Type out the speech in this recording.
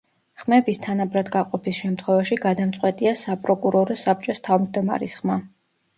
ხმების თანაბრად გაყოფის შემთხვევაში გადამწყვეტია საპროკურორო საბჭოს თავმჯდომარის ხმა.